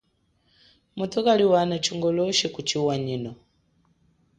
Muthu kaliwana ku chingoloshi kuchiwanyino.